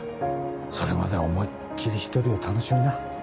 それまで思いっきりひとりを楽しみな